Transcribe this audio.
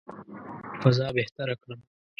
فضا بهتره کړم.